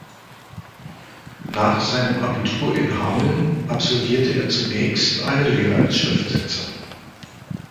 Nach seinem Abitur in Hameln absolvierte er zunächst eine Lehre als Schriftsetzer.